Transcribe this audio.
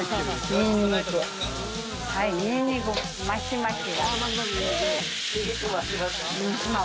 ニンニクマシマシ。